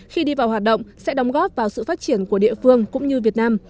khi đi vào hoạt động sẽ đóng góp vào sự phát triển của địa phương cũng như việt nam